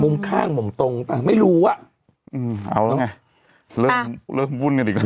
ข้างมุมตรงป่ะไม่รู้อ่ะอืมเอาแล้วไงเริ่มเริ่มวุ่นกันอีกแล้ว